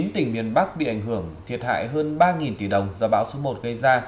chín tỉnh miền bắc bị ảnh hưởng thiệt hại hơn ba tỷ đồng do bão số một gây ra